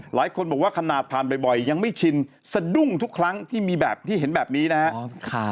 หลายคนบอกว่าขนาดผ่านบ่อยยังไม่ชินสะดุ้งทุกครั้งที่มีแบบที่เห็นแบบนี้นะครับ